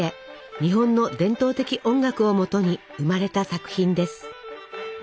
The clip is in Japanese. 日本の伝統的音楽をもとに生まれた作品です。